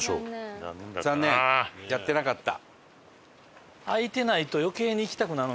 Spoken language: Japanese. やってなかった。